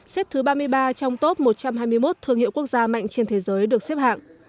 xếp thứ ba mươi ba trong top một trăm hai mươi một thương hiệu quốc gia mạnh trên thế giới được xếp hạng